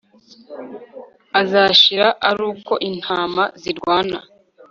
Azashira aruko intama zirwana